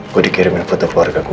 gue dikirimin untuk keluarga gue